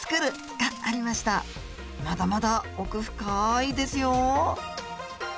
まだまだ奥深いですよ。